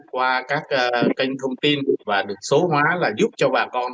qua các kênh thông tin và được số hóa là giúp cho bà con